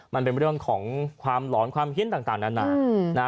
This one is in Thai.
มันเป็นเรื่องของความหลอนความเฮียนต่างนานา